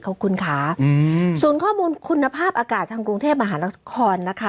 ขอบคุณค่ะอืมส่วนข้อมูลคุณภาพอากาศทางกรุงเทพมหานครนะคะ